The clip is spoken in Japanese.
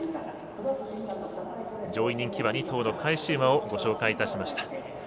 上位人気の返し馬をご紹介しました。